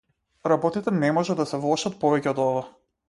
Работите не можат да се влошат повеќе од ова.